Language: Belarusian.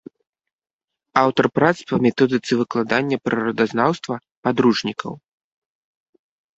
Аўтар прац па методыцы выкладання прыродазнаўства, падручнікаў.